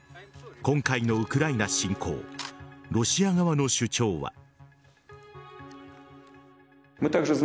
今回のウクライナ侵攻ロシア側の主張は。